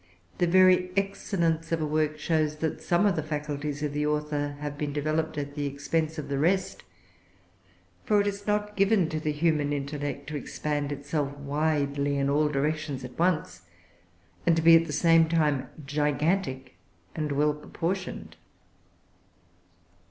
The very excellence of a work shows that some of the faculties of the author have been developed at the expense of the rest; for it is not given to the human intellect to expand itself widely in all directions at once, and to be at the same time gigantic and well proportioned.